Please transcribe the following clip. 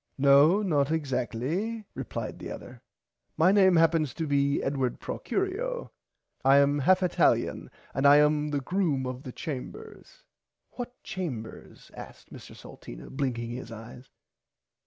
No not exacktly replied the other my name happens to be Edward Procurio. I am half italian and I am the Groom of the Chambers. [Pg 51] What chambers asked Mr Salteena blinking his eyes.